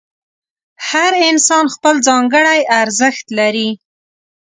هر انسان خپل ځانګړی ارزښت لري.